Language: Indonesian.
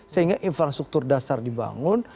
sehingga infrastruktur dasar dibangun